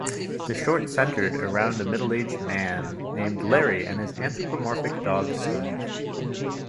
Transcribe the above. The short centered around a middle-aged man named Larry and his anthropomorphic dog Steve.